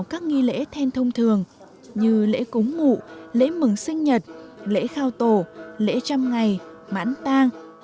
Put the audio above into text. thông thạo các nghỉ lễ then thông thường như lễ cúng ngụ lễ mừng sinh nhật lễ khao tổ lễ trăm ngày mãn tang